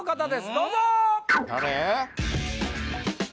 どうぞ誰？